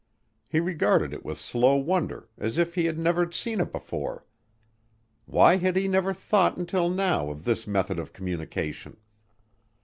He regarded it with slow wonder as if he had never seen it before. Why had he never thought until now of this method of communication?